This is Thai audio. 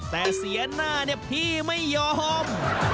แต่เสียหน้าพี่ไม่ยอม